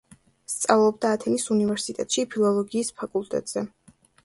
სწავლობდა ათენის უნივერსიტეტში, ფილოლოგიის ფაკულტეტზე.